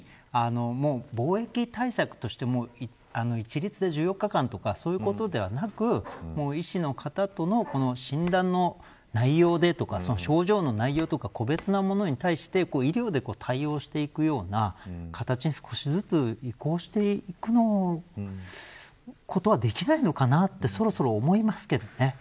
瑠麗さんの言うように防疫対策として一律で１４日間とかそういうことではなく医師の方との診断の内容でとか症状の内容とか個別のものに対して医療で対応していくような形に少しずつ移行していくことはできないのかなってそろそろ思いますけどね。